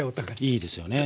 いいですよね。